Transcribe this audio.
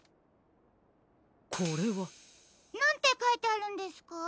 これは。なんてかいてあるんですか？